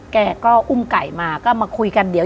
แกก็อุ้มไก่มาก็มาคุยกันเดี๋ยว